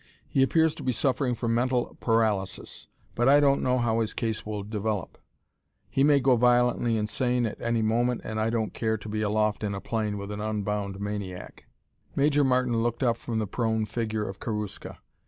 He appears to be suffering from mental paralysis, but I don't know how his case will develop. He may go violently insane at any moment and I don't care to be aloft in a plane with an unbound maniac." Major Martin looked up from the prone figure of Karuska.